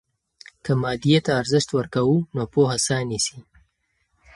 که مادیې ته ارزښت ورکوو، نو پوهه ساه نیسي.